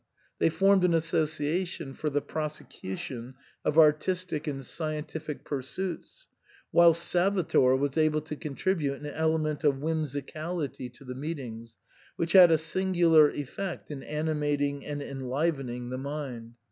They formed an association for the prosecution of artistic and scientific pursuits, whilst Salvator was able to contribute an element of whim sicality to the meetings, which had a singular effect in animating and enlivening the mind.